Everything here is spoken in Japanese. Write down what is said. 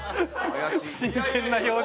真剣な表情。